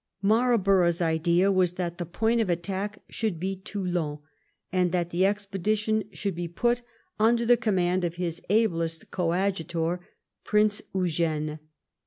Marl borough's idea was that the point of attack should be Toulon, and that the expedition should be put under 842 WHAT THE WAR WAS COMING TO the command of his ablest coadjutor, Prince Eugene.